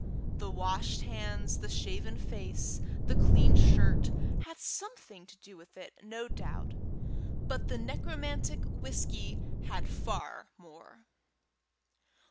The washed hands, the shaven face, the clean shirt, had something to do with it, no doubt, but the necromantic whisky had far more.